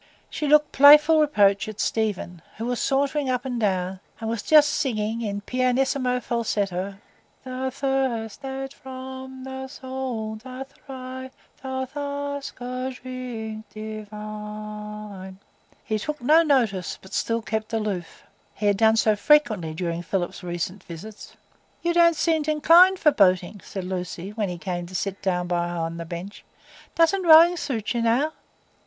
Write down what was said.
She looked playful reproach at Stephen, who was sauntering up and down, and was just singing in pianissimo falsetto,— "The thirst that from the soul doth rise Doth ask a drink divine." He took no notice, but still kept aloof; he had done so frequently during Philip's recent visits. "You don't seem inclined for boating," said Lucy, when he came to sit down by her on the bench. "Doesn't rowing suit you now?"